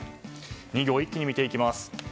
２行、一気に見ていきます。